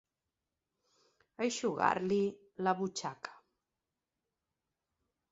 Eixugar-li la butxaca.